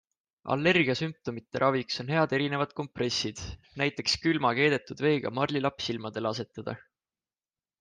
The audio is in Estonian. Allergia sümptomite raviks on head erinevad kompressid, näiteks külma keedetud veega marlilapp silmadele asetada.